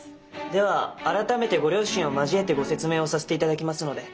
では改めてご両親を交えてご説明をさせていただきますので。